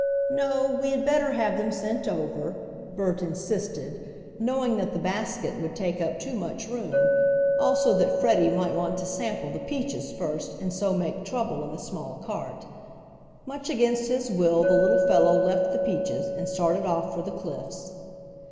"No, we had better have them sent over," Bert insisted, knowing that the basket would take up too much room, also that Freddie might want to sample the peaches first, and so make trouble in the small cart. Much against his will the little fellow left the peaches, and started off for the cliffs.